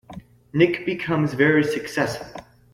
Nick becomes very successful.